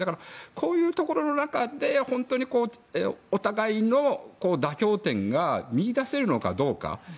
こういうところの中で本当にお互いの妥協点が見出せるのかどうか。